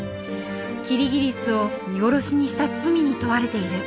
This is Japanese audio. キリギリスを見殺しにした罪に問われている。